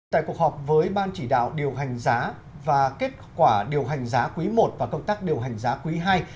tại cuộc họp với ban chỉ đạo điều hành giá và kết quả điều hành giá quý i và công tác điều hành giá quý ii